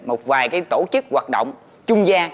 một vài cái tổ chức hoạt động trung gian